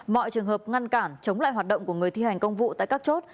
mọi trường hợp ngăn cản chống lại hoạt động của người thi hành công vụ tại các chốt